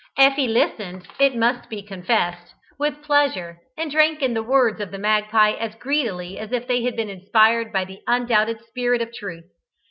Effie listened, it must be confessed, with pleasure, and drank in the words of the magpie as greedily as if they had been inspired by the undoubted spirit of truth.